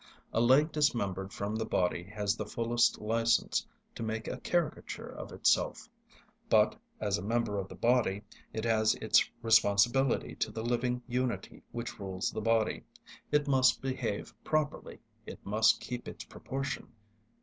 A leg dismembered from the body has the fullest licence to make a caricature of itself. But, as a member of the body, it has its responsibility to the living unity which rules the body; it must behave properly, it must keep its proportion.